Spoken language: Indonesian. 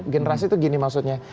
generasi tuh gini maksudnya